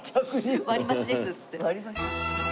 割り増しですっつって。